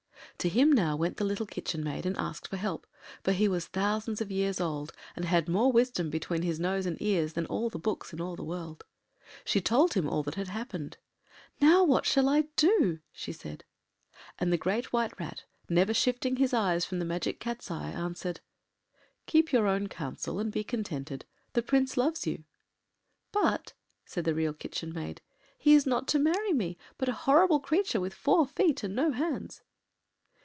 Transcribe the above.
To him now went the little Kitchen Maid, and asked for help, for he was thousands of years old, and had more wisdom between his nose and ears than all the books in all the world. She told him all that had happened. “Now what shall I do?” she said. And the Great White Rat, never shifting his eyes from the Magic Cat’s eye, answered— “Keep your own counsel and be contented. The Prince loves you.” “But,” said the Real Kitchen Maid, “he is not to marry me, but a horrible creature with four feet and no hands.